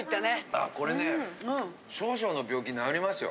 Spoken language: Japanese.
あこれね少々の病気治りますよ。